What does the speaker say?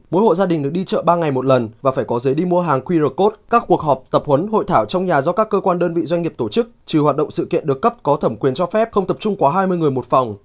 mỗi hộ gia đình được đi chợ ba ngày một lần và phải có giấy đi mua hàng qr code các cuộc họp tập huấn hội thảo trong nhà do các cơ quan đơn vị doanh nghiệp tổ chức trừ hoạt động sự kiện được cấp có thẩm quyền cho phép không tập trung quá hai mươi người một phòng